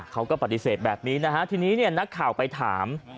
เขาก็ปฏิเสธแบบนี้นะครับทีนี้นักข่าวไปถาม